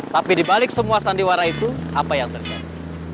tapi dibalik semua sandiwara itu apa yang terjadi